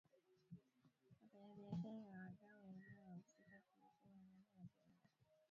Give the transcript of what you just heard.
wafanyabiashara na wadau wengine wahusika kuhusu magonjwa na mbinu za kuyadhibiti magonjwa